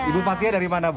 ibu patia dari mana bu